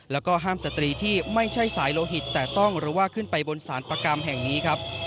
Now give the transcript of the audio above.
แล้วก็ห้ามสตรีที่ไม่ใช่สายโลหิตแต่ต้องหรือว่าขึ้นไปบนสารประกรรมแห่งนี้ครับ